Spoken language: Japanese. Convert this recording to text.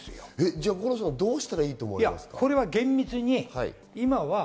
じゃあどうしたらいいと思いますか？